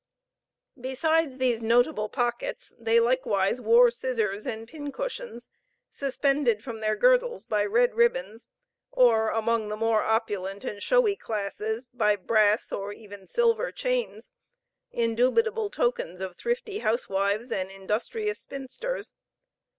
Besides these notable pockets, they likewise wore scissors and pincushions suspended from their girdles by red ribands, or among the more opulent and showy classes by brass, and even silver, chains, indubitable tokens of thrifty housewives and industrious spinsters.